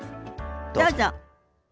どうぞ。